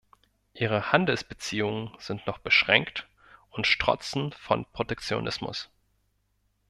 Ihre Handelsbeziehungen sind noch beschränkt und strotzen vor Protektionismus.